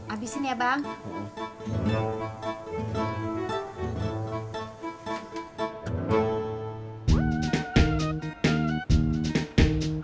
abisin ya bang